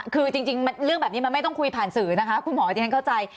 คือจริงเรื่องแบบนี้มันไม่ต้องคุยผ่านสื่อนะคะคุณหมอที่ฉันเข้าใจ